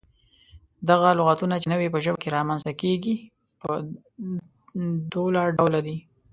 دغه لغتونه چې نوي په ژبه کې رامنځته کيږي، پۀ دوله ډوله دي: